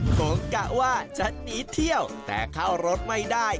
กะว่าจะหนีเที่ยวแต่เข้ารถไม่ได้